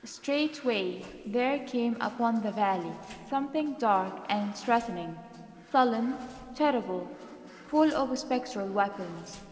Straightway there came upon the valley something dark and threatening sullen, terrible, full of spectral weapons.